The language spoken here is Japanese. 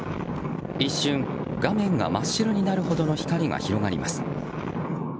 一瞬、画面が真っ白になるほどの光が広がります。